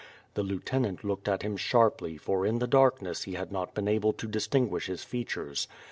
The lieutenant looked at him sharply for in the darkness he had not been able to distinguish his features.